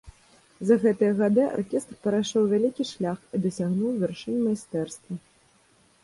За гэтыя гады аркестр прайшоў вялікі шлях і дасягнуў вяршынь майстэрства.